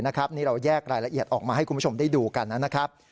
นี่เราแยกรายละเอียดออกมาให้คุณผู้ชมได้ดูกันนะครับ